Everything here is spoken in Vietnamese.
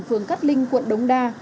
phường cát linh quận đống đa